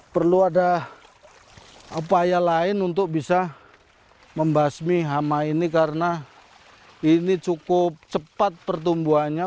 perlu ada upaya lain untuk bisa membasmi hama ini karena ini cukup cepat pertumbuhannya